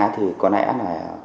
thì có lẽ là